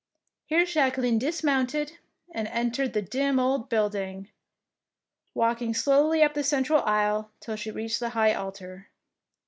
Here Jacqueline dismounted, and entering the dim old building, walked slowly up the central aisle till she reached the high altar.